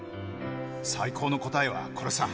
最高の答えはこれさ。